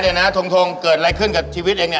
เดี๋ยวนะโด่งเกิดอะไรขึ้นกับชีวิตเองนี่